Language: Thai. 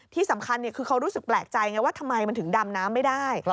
ที่สำคัญคือเขารู้สึกแปลกใจไงว่าทำไมมันถึงดำน้ำไม่ได้